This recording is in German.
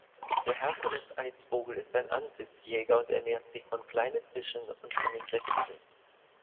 Der Herkules-Eisvogel ist ein Ansitzjäger und ernährt sich von kleinen Fischen und von Insekten.